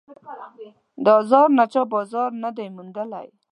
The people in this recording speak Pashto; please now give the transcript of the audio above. د آزار نه چا بازار نه دی موندلی